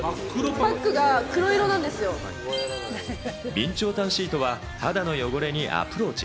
備長炭シートは肌の汚れにアプローチ。